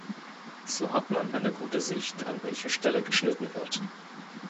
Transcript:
So hat man eine gute Sicht, an welcher Stelle geschnitten wird.